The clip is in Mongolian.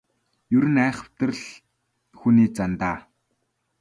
Ер нь айхавтар л хүний зан даа.